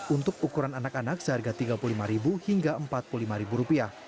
untuk ukuran anak anak seharga rp tiga puluh lima hingga rp empat puluh lima